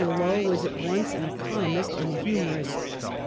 Lowe was at once an economist and a humorist.